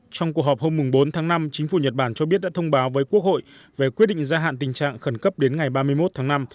trong cuộc họp hôm bốn tháng năm chính phủ nhật bản cho biết đã thông báo với quốc hội về quyết định gia hạn tình trạng khẩn cấp đến ngày ba mươi một tháng năm